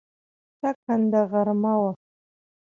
ټاکنده غرمه وه.